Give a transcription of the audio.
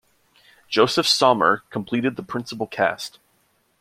Josef Sommer completed the principal cast.